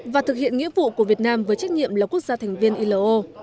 và thực hiện nghĩa vụ của việt nam với trách nhiệm là quốc gia thành viên ilo